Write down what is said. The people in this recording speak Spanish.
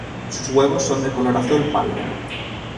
Sus huevos son de color azul pálido.